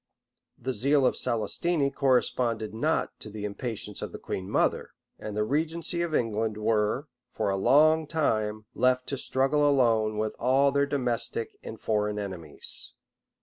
[] The zeal of Celestine corresponded not to the impatience of the queen mother; and the regency of England were, for a long time, left to struggle alone with all their domestic and foreign enemies.